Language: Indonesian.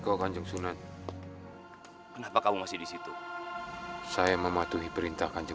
ayo cepat tunjukkan dimana suamimu